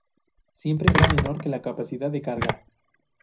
Siempre es menor que la capacidad de carga.